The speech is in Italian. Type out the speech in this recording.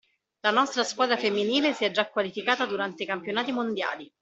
La nostra squadra femminile si è già qualificata durante i Campionati Mondiali.